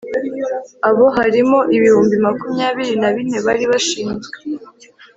abo harimo ibihumbi makumyabiri na bine bari bashinzwe